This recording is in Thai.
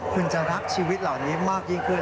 คุณจะรักชีวิตเหล่านี้มากยิ่งขึ้น